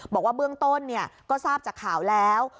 บอกว่าเบื้องต้นก็ทราบจากข่าวแล้ว